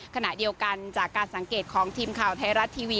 ขณะเดียวกันจากการสังเกตของทีมข่าวไทยรัฐทีวี